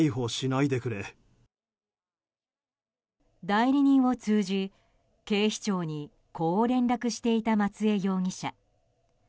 代理人を通じ、警視庁にこう連絡していた松江容疑者。